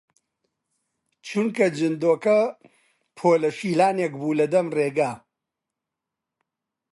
چونکە جندۆکە پۆلە شیلانێک بوو لە دەم ڕێگە